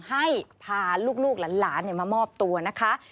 ให้พาลูกหลานมามอบตัวนะคะ